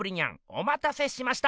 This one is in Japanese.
おまたせしました！